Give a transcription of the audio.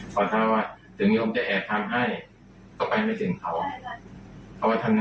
เขาชอบอะไรเราก็ไม่ได้เราก็ไม่ได้ให้เขาทีนี้เขาก็จะเจอแล้ว